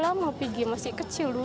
bapak sudah lama pergi masih kecil dulu